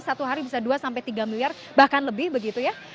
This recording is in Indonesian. satu hari bisa dua sampai tiga miliar bahkan lebih begitu ya